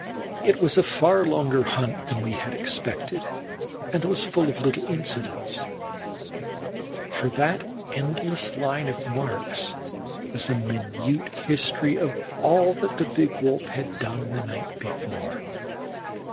It was a far longer hunt than we had expected, and was full of little incidents, for that endless line of marks was a minute history of all that the big Wolf had done the night before.